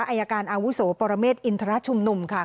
อายการอาวุโสปรเมฆอินทรชุมนุมค่ะ